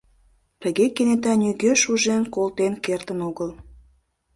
Тыге кенета нигӧ шужен колтен кертын огыл.